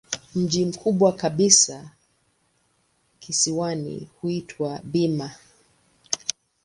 Mji mkubwa kabisa kisiwani huitwa Bima.